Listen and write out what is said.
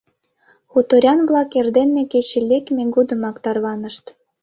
Хуторян-влак эрдене кече лекме годымак тарванышт.